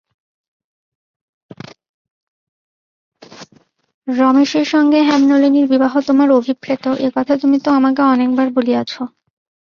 রমেশের সঙ্গে হেমনলিনীর বিবাহ তোমার অভিপ্রেত, এ কথা তুমি তো আমাকে অনেকবার বলিয়াছ।